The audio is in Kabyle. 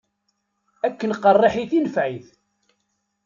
Akken qerriḥit i nefɛit.